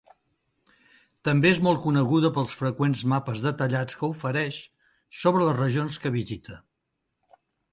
També és molt coneguda pels freqüents mapes detallats que oferix sobre les regions que visita.